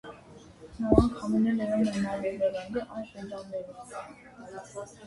Նման քամիներ լինում են նաև երկրագնդի այլ շրջաններում։